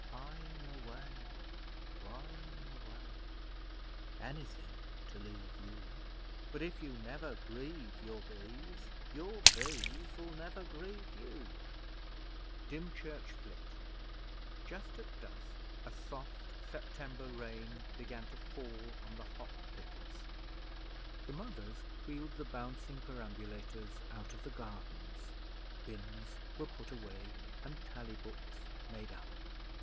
Pine away dwine away Anything to leave you! But if you never grieve your Bees, Your Bees'll never grieve you! Just at dusk, a soft September rain began to fall on the hop pickers. The mothers wheeled the bouncing perambulators out of the gardens; bins were put away, and tally books made up.